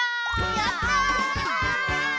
やった！